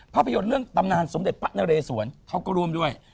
ภาพยนตร์เรื่องตำนานสมเด็จพระนเรสวนเขาก็ร่วมด้วย